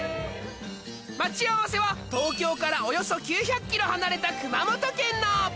待ち合わせは東京からおよそ９００ｋｍ離れた山の中